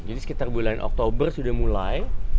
jadi sekitar bulan oktober sudah mulai